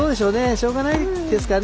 しょうがないですかね